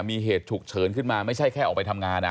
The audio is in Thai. มีเหตุฉุกเฉินขึ้นมาไม่ใช่แค่ออกไปทำงาน